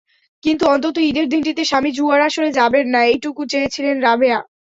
কিন্তু অন্তত ঈদের দিনটিতে স্বামী জুয়ার আসরে যাবেন না, এটুকুই চেয়েছিলেন রাবেয়া।